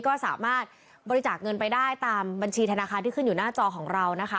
ก็สามารถบริจาคเงินไปได้ตามบัญชีธนาคารที่ขึ้นอยู่หน้าจอของเรานะคะ